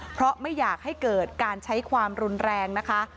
เพราะไม่อยากให้เกิดการใช้ความรุนแรงนะคะ